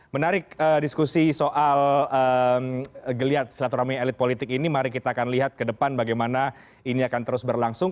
menarik diskusi soal geliat silaturahmi elit politik ini mari kita akan lihat ke depan bagaimana ini akan terus berlangsung